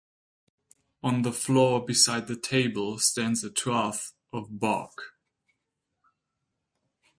On the floor beside the table stands a trough of bark.